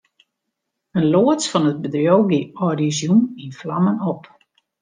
In loads fan it bedriuw gie âldjiersjûn yn flammen op.